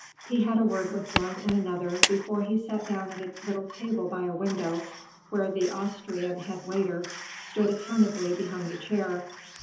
He had a word with one and another before he sat down at the little table by a window, where the Austrian head waiter stood attentively behind a chair.